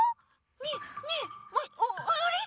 ねえねえあっあれ？